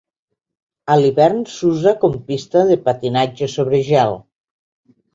A l'hivern s'usa com pista de patinatge sobre gel.